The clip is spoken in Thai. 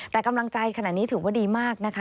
แต่กำลังใจขณะนี้ถือว่าดีมากนะคะ